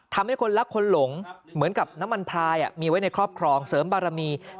ทำให้คนรักคนหลงเหมือนกับน้ำมันพลายมีไว้ในครอบครองเสริมบารมี